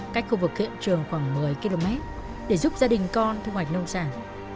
cách khu vực hiện trường khoảng một mươi km để giúp gia đình con thu hoạch nông sản